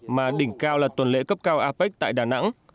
mà đỉnh cao là tuần lễ cấp cao apec tại đà nẵng